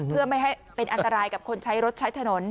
เพื่อไม่ให้เป็นอันตรายกับคนใช้รถใช้ถนน